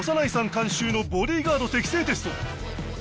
監修のボディーガード適性テスト